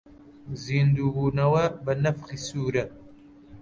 زیندوو بوونەوە بە نەفخی سوورە